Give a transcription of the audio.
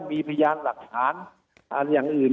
มีพยานหลักฐานอย่างอื่น